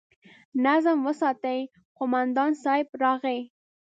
نظم وساتئ! قومندان صيب راغی!